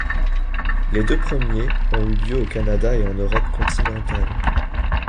Les deux premiers ont eu lieu au Canada et en Europe continentale.